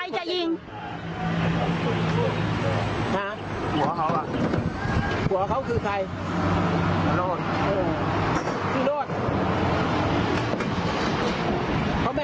เขาหายลูกปืนครับ